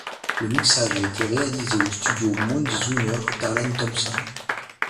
Le mixage a été réalisé au studio Mount Zoomer d'Arlen Thompson.